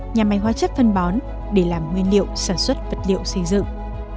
nhà máy hóa chất phân bón để làm nguyên liệu sản xuất vật liệu xây dựng